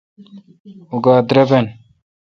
اں گاےدربن۔